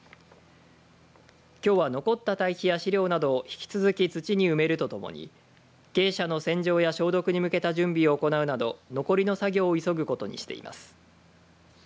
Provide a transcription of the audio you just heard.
きょうは残った堆肥や飼料などを引き続き土に埋めるとともに鶏舎の洗浄や消毒に向けた準備を行うなど残りの作業を急ぐことにしています。